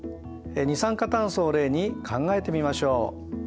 二酸化炭素を例に考えてみましょう。